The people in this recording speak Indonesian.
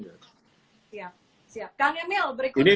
siap siap kang emil berikutnya nih